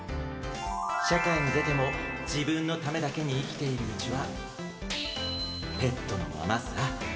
社会に出ても自分のためだけに生きているうちはペットのままさ。